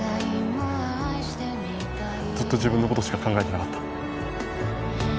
ずっと自分の事しか考えてなかった。